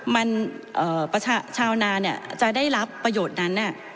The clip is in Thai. มันเอ่อประชาชาวนาเนี่ยจะได้รับประโยชน์นั้นเนี่ย